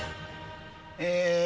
え